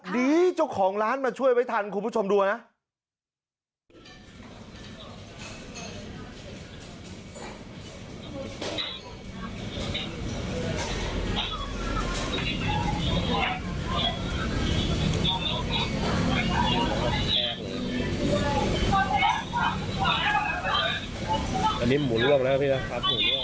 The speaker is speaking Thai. เจ้าของร้านมาช่วยไว้ทันคุณผู้ชมดูนะ